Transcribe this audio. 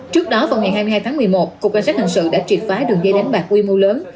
trước đó vào ngày hai mươi hai tháng một mươi một cục cảnh sát hình sự đã triệt phá đường dây đánh bạc quy mô lớn